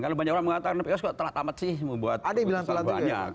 karena banyak orang mengatakan kok telat telat sih membuat keputusan banyak